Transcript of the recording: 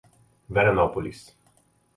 Veranópolis